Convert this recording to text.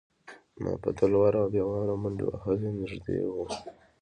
ما په تلوار او بې واره منډې وهلې نږدې و.